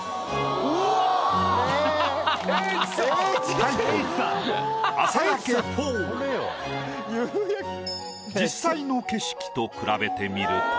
タイトル実際の景色と比べてみると。